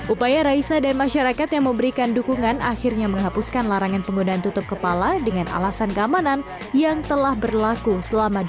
upaya raisa dan masyarakat yang memberikan dukungan akhirnya menghapuskan larangan penggunaan tutup kepala dengan alasan keamanan yang telah berlaku selama dua jam